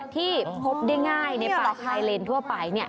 ที่พบได้ง่ายในป่าไทเรนทั่วไปเนี่ย